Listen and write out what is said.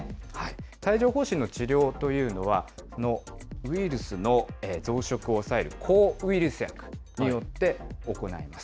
帯状ほう疹の治療というのは、ウイルスの増殖を抑える抗ウイルス薬によって行います。